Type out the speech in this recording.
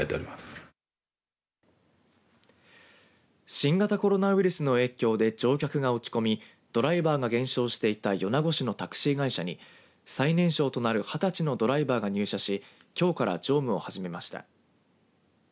新型コロナウイルスの影響で乗客が落ち込みドライバーが減少していた米子市のタクシー会社に最年少となる二十歳のドライバーが入社しきょうから乗務を始めました。